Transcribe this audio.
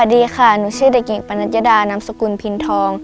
สวัสดีค่ะหนูชื่อเด็กหญิงปณัชยดานามสกุลพินทอง